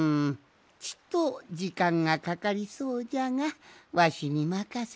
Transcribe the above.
ちとじかんがかかりそうじゃがわしにまかせなさい。